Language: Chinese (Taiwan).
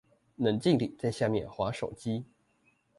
冷靜地在下面滑手機